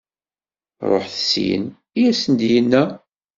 Ruḥet syin, i asen-d-yenna.